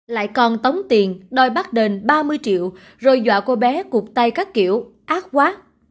lại còn tống tiền đòi bắt đền ba mươi triệu rồi dọa cô bé cuộc tay các kiểu ác quá